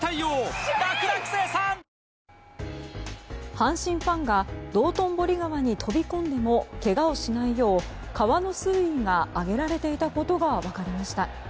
阪神ファンが道頓堀川に飛び込んでもけがをしないよう川の水位が上げられていたことが分かりました。